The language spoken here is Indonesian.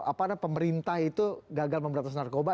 apa ada pemerintah itu gagal memberantas narkoba